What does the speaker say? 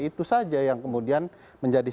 itu saja yang kemudian menjadi